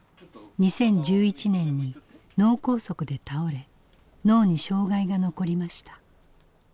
２０１１年に脳梗塞で倒れ脳に障害が残りました。